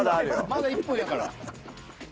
まだ１分やから。